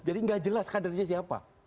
jadi nggak jelas kadernya siapa